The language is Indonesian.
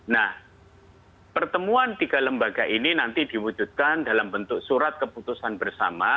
nah pertemuan tiga lembaga ini nanti diwujudkan dalam bentuk surat keputusan bersama